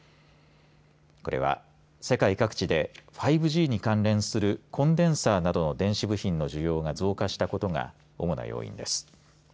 これは世界各地で５Ｇに関連するコンデンサーなどの電子部品の需要が増加したことが主な要因です。